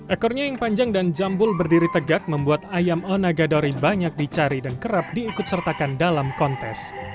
ekornya yang panjang dan jambul berdiri tegak membuat ayam onagadori banyak dicari dan kerap diikut sertakan dalam kontes